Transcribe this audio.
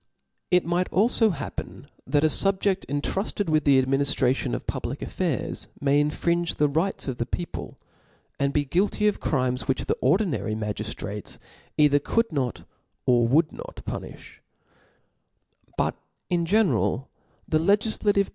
It might alfo happen that a fubjedl intrufted with the adminiftration of public affairs, may infringe the rights of the people, and be guilty of crimes which the ordinary magiftrates either could npt, or would not puni(h« But, in genera), the legiflative.